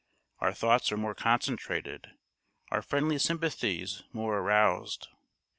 Our thoughts are more concentrated; our friendly sympathies more aroused.